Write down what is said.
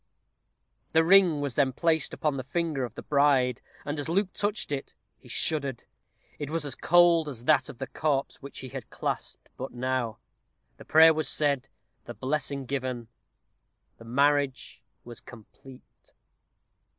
The ring was then placed upon the finger of the bride; and as Luke touched it, he shuddered. It was cold as that of the corpse which he had clasped but now. The prayer was said, the blessing given, the marriage was complete.